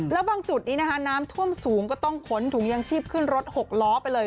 แล้วบางจุดนี้นะคะน้ำท่วมสูงก็ต้องขนถุงยางชีพขึ้นรถ๖ล้อไปเลย